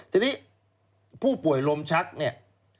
ทีนี้ผู้ป่วยลมชักเนี่ย